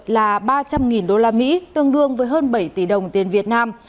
là ba trăm linh usd tương đương với hơn bảy tỷ đồng tiền việt nam